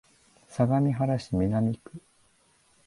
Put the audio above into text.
相模原市南区